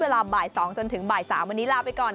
เวลาบ่าย๒จนถึงบ่าย๓วันนี้ลาไปก่อน